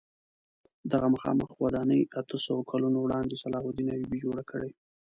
دغه مخامخ ودانۍ اتو سوو کلونو وړاندې صلاح الدین ایوبي جوړه کړې.